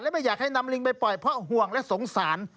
ไม่อยากให้นำลิงไปปล่อยเพราะห่วงและสงสาร